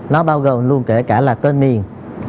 nó bao gồm luôn kể cả là tên miền